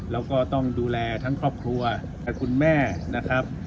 แล้วก็ต้องดูแลทั้งครอบครัวทั้งคุณแม่นะครับ